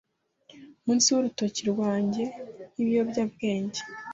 Munsi y'urutoki rwanjye nk'ibiyobyabwenge